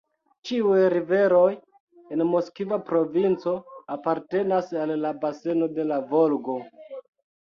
Ĉiuj riveroj en Moskva provinco apartenas al la baseno de la Volgo.